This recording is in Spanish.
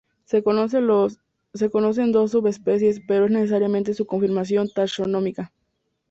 Se conocen dos subespecies pero es necesaria su confirmación taxonómica.